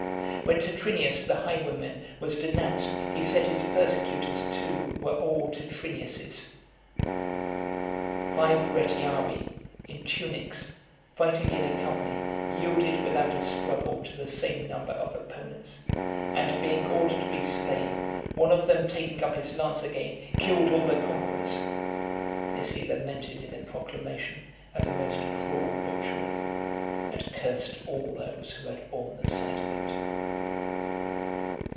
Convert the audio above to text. When Tetrinius, the highwayman, was denounced, he said his persecutors too were all Tetrinius's. Five Retiarii , in tunics, fighting in a company, yielded without a struggle to the same number of opponents; and being ordered to be slain, one of them taking up his lance again, killed all the conquerors. This he lamented in a proclamation as a most cruel butchery, and cursed all those who had borne the sight of it.